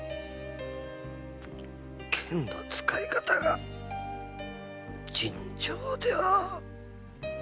剣の使い方が尋常では！